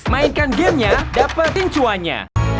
mainkan gamenya dapat pincuannya